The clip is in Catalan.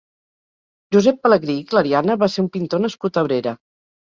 Josep Pelegrí i Clariana va ser un pintor nascut a Abrera.